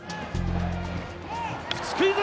スクイズ！